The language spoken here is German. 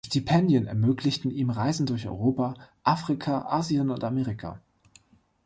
Stipendien ermöglichten ihm Reisen durch Europa, Afrika, Asien und Amerika.